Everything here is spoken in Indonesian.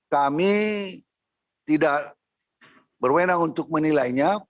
kami tidak berwenang untuk menilainya